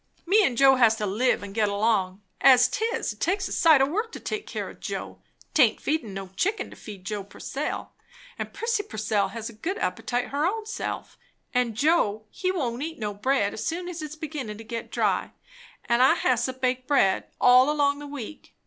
"Me and Joe has to live and get along, as 'tis; and it takes a sight o' work to take care o' Joe. 'Taint feedin' no chicken, to feed Joe Purcell; and Prissy Purcell has a good appetite her own self; and Joe, he won't eat no bread as soon as it's beginnin' to get dry; an' I has to bake bread all along the week.